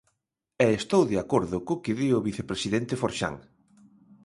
E estou de acordo co que di o vicepresidente Forxán.